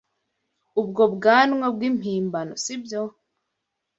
Ubwo bwanwa bwimpimbano, sibyo?